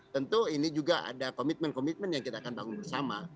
tentu ini juga ada komitmen komitmen yang kita akan bangun bersama